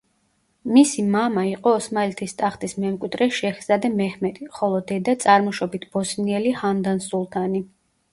მისი მამა იყო ოსმალეთის ტახტის მემკვიდრე შეჰზადე მეჰმედი, ხოლო დედა წარმოშობით ბოსნიელი ჰანდან სულთანი.